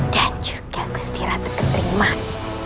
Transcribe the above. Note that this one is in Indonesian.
dan juga bustiratu keteriman